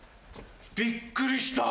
びっくりした。